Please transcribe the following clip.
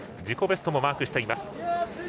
自己ベストもマークしています。